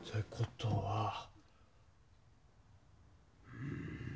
うん。